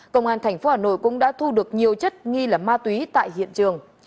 công an thành phố hà nội cũng đã thu được nhiều chất nghi là ma túy tại hiện trường